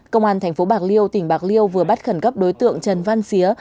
công an thành phố bạc liêu tỉnh bạc liêu vừa bắt khẩn cấp đối tượng trần văn xía